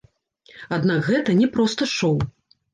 Аднак гэта не проста шоу.